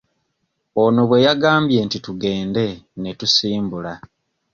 Ono bwe yagambye nti tugende ne tusimbula.